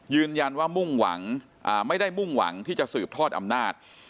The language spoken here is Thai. มุ่งหวังไม่ได้มุ่งหวังที่จะสืบทอดอำนาจ